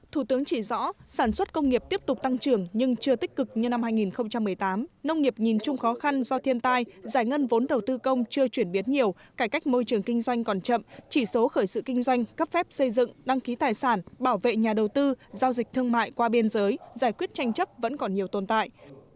thủ tướng chỉ rõ sản xuất công nghiệp tiếp tục tăng trưởng nhưng chưa tích cực như năm hai nghìn một mươi tám nông nghiệp nhìn chung khó khăn do thiên tai giải ngân vốn đầu tư công chưa chuyển biến nhiều cải cách môi trường kinh doanh còn chậm chỉ số khởi sự kinh doanh cấp phép xây dựng đăng ký tài sản bảo vệ nhà đầu tư giao dịch thương mại qua biên giới giải quyết tranh chấp vẫn còn nhiều tồn tại